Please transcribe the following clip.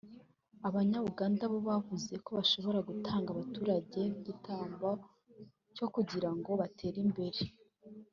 Abanya Uganda bo bavuze ko badashobora gutanga abaturage nk’igitambo cyo kugira ngo batere imbere